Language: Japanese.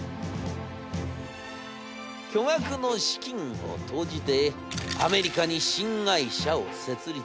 巨額の資金を投じてアメリカに新会社を設立。